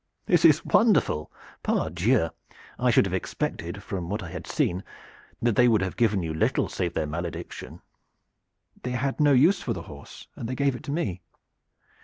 "This is wonderful. Pardieu! I should have expected, from what I had seen, that they would have given you little save their malediction." "They had no use for the horse, and they gave it to me."